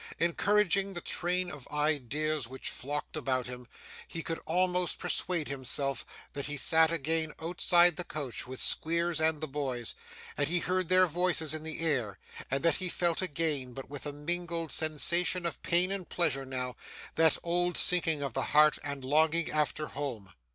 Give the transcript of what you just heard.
Encouraging the train of ideas which flocked upon him, he could almost persuade himself that he sat again outside the coach, with Squeers and the boys; that he heard their voices in the air; and that he felt again, but with a mingled sensation of pain and pleasure now, that old sinking of the heart, and longing after home.